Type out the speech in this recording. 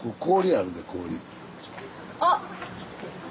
あっ！